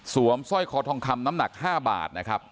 สร้อยคอทองคำน้ำหนัก๕บาทนะครับ